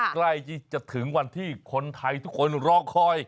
ใกล้ที่จะถึงวันที่คนไทยทุกคนรอคอย